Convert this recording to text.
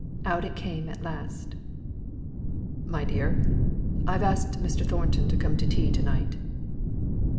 Out it came at last "My dear! I've asked Mr. Thornton to come to tea to night."